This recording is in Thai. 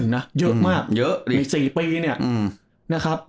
๑๓๑นะเยอะมากใน๔ปีเนี่ยนะครับ